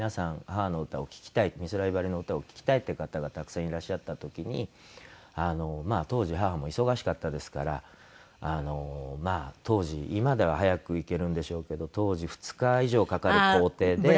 母の歌を聴きたい美空ひばりの歌を聴きたいっていう方がたくさんいらっしゃった時に当時母も忙しかったですから当時今では早く行けるんでしょうけど当時２日以上かかる行程で。